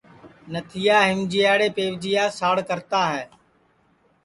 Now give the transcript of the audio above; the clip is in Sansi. نتھیا ہیمجیاڑے پیوجیاس ساڑ کرتا ہے